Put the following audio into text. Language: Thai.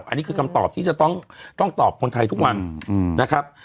อันนี้คือคำตอบที่จะต้องตอบคนไทยทุกวันนะครับ